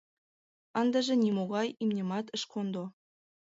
Ындыже нимогай имньымат ыш кондо.